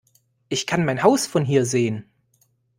Ich kann mein Haus von hier sehen!